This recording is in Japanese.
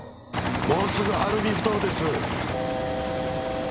もうすぐ晴海埠頭です。